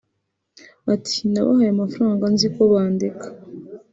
Ati “Nabahaye amafaranga nzi ko bandeka